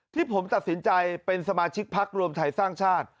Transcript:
ที่ผมตัดสินใจเป็นสมาชิกพักรวมไทยสร้างชาติ